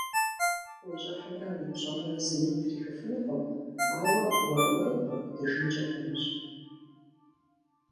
Уи щӀыхьымрэ уи пщӀэмрэ зыми птрихыфынукъым, ауэ уэр-уэру бгъэкӀуэдыжынкӀэ хъунущ.